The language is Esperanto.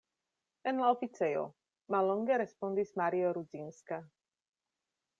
En la oficejo, mallonge respondis Mario Rudzinska.